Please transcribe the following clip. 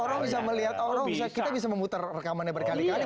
orang bisa melihat orang kita bisa memutar rekamannya berkali kali